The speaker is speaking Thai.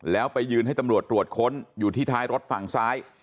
แล้วไปยืนให้ตำรวจตรวจค้นอยู่ที่ท้ายรถฝั่งซ้าย